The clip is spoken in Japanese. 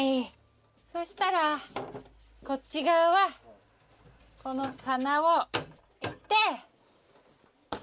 そしたらこっち側はこの棚を置いて。